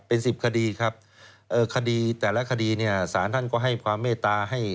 เป็น๑๐คดีครับคดีแต่ละคดีศาลท่านก็ให้ความเมตตา